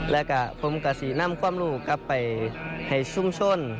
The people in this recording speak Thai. และกับผมกับศรีนามความรู้กลับไปให้ชุ่มชน